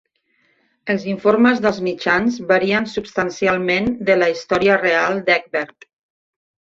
Els informes dels mitjans varien substancialment de la història real d"Egbert.